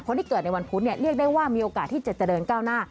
ที่เกิดในวันพุธเรียกได้ว่ามีโอกาสที่จะเจริญก้าวหน้า